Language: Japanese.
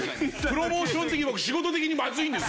プロモーション的に仕事的にまずいんです